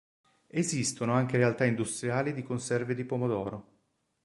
Esistono anche realtà industriali di conserve di pomodoro.